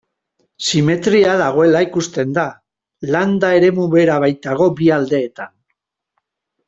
Simetria dagoela ikusten da, landa eremu bera baitago bi aldeetan.